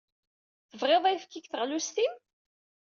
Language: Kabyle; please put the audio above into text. Tebɣiḍ ayefki deg teɣlust-im?